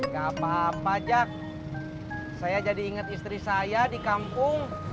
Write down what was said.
gapapa jack saya jadi inget istri saya di kampung